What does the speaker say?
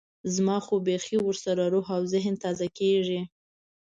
زما خو بيخي ورسره روح او ذهن تازه کېږي.